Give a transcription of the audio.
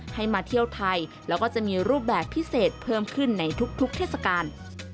ให้มาเที่ยวไทยแล้วก็จะมีรูปแบบพิเศษเพิ่มขึ้นในทุกเทศกาล